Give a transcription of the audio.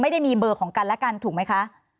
ไม่ได้มีเบอร์ของกันและกันถูกไหมคะ